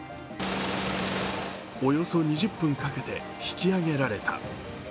およそ２０分かけて引き上げられた。